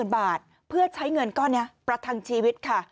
บาทเพื่อใช้เงินก้อนนี้ประทังชีวิตค่ะ